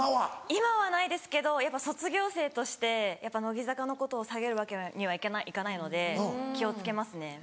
今はないですけどやっぱ卒業生としてやっぱ乃木坂のことを下げるわけにはいかないので気を付けますね。